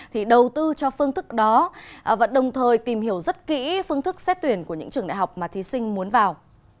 thì đầu tư cho phương thức đó và đồng thời tìm hiểu rất kỹ phương thức xét tuyển của những trường đại học mà thí sinh muốn vào